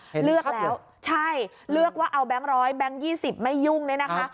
เฮนครับเหรอใช่เลือกว่าเอาแบงค์ร้อยแบงค์๒๐ไม่ยุ่งเลยนะคะ